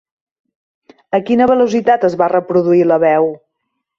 A quina velocitat es va reproduir la veu?